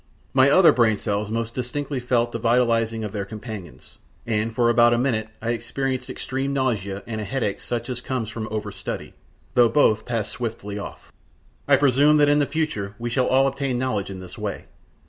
My other brain cells most distinctly felt the vitalising of their companions, and for about a minute I experienced extreme nausea and a headache such as comes from over study, though both passed swiftly off. I presume that in the future we shall all obtain knowledge in this way.